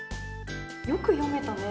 よく読めたね。